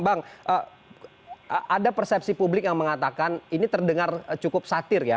bang ada persepsi publik yang mengatakan ini terdengar cukup satir ya